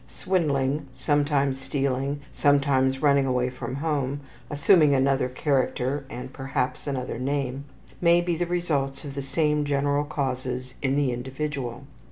Swindling, sometimes stealing, sometimes running away from home (assuming another character and perhaps another name) may be the results of the same general causes in the individual.